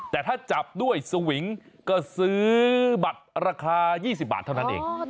แต่ถ้าจับด้วยสวิงก็ซื้อบัตรราคา๒๐บาทเท่านั้นเอง